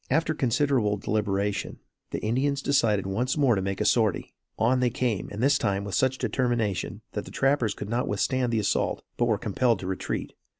After considerable deliberation, the Indians decided once more to make a sortie. On they came, and this time with such determination that the trappers could not withstand the assault, but were compelled to retreat.